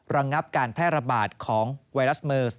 ระงับการแพร่ระบาดของไวรัสเมิร์ส